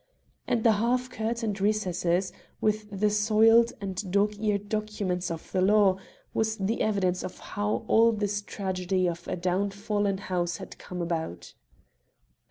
And the half curtained recess, with the soiled and dog eared documents of the law, was the evidence of how all this tragedy of a downfallen house had come about.